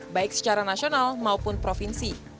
baik secara nasional maupun provinsi